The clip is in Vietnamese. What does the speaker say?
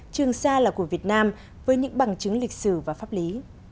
trường sa là của việt nam với những bằng chứng lịch sử và pháp lý